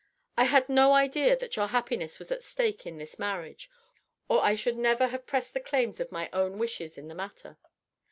"I had no idea that your happiness was at stake in this marriage, or I should never have pressed the claims of my own wishes in the matter.